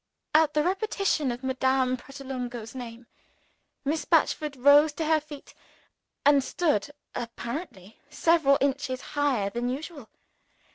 At the repetition of Madame Pratolungo's name, Miss Batchford rose to her feet and stood (apparently) several inches higher than usual.